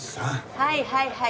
はいはいはい！